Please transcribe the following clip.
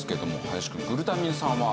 林くんグルタミン酸は。